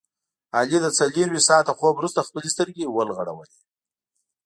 علي له څلوریشت ساعته خوب ورسته خپلې سترګې وغړولې.